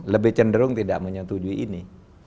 lebih cenderung tidak menyetujui ini